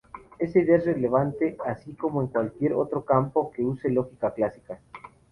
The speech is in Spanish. Esta idea es relevante, así como en cualquier otro campo que use lógica clásica.